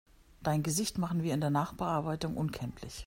Dein Gesicht machen wir in der Nachbearbeitung unkenntlich.